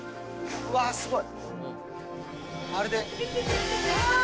うわー、すごい。